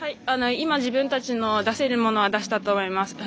今、自分たちの出せるものは出せたと思います。